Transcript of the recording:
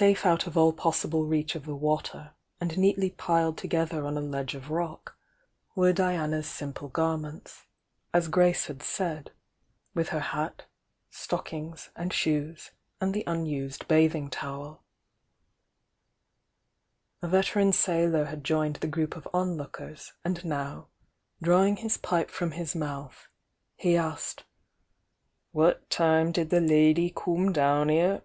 ^a*e «"» If Si possible reach of the water, and neatly pited toeether on a ledge of rock, were Dianas simple Sments as Gracfhad said, with her hat, stock LTa^d shoes and the unused bathmg towd A XZ sailor had Joined, the group of onboke^, and now, drawing his pipe from his mouth, He ^'wiiat time did the leddy coom down 'ere?"